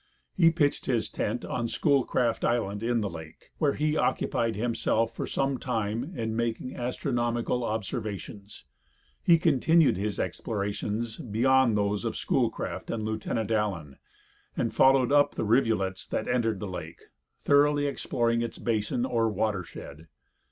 He pitched his tent on Schoolcraft island in the lake, where he occupied himself for some time in making astronomical observations. He continued his explorations beyond those of Schoolcraft and Lieutenant Allen, and followed up the rivulets that entered the lake, thoroughly exploring its basin or watershed.